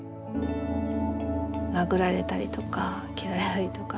殴られたりとか蹴られたりとか。